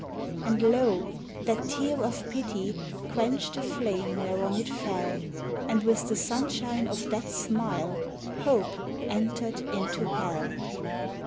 And lo! that tear of Pity quenched the flame whereon it fell, And, with the sunshine of that smile, hope entered into hell!